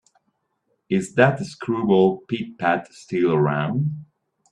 Is that screwball Pit-Pat still around?